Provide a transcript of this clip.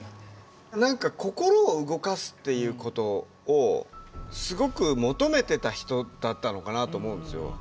心を動かすっていう事をすごく求めてた人だったのかなと思うんですよ。